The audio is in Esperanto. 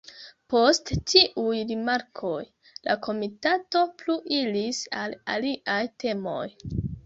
Post tiuj rimarkoj, la komitato pluiris al aliaj temoj.